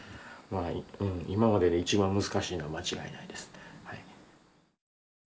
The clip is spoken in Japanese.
今までで一番難しいのは間違いないですね。